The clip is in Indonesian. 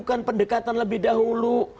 lakukan pendekatan lebih dahulu